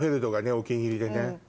お気に入りでね。